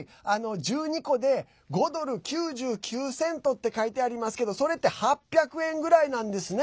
１２個で５ドル９９セントって書いてありますけどそれって８００円ぐらいなんですね。